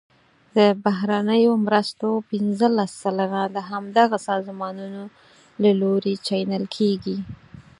د بهرنیو مرستو پنځلس سلنه د همدغه سازمانونو له لوري چینل کیږي.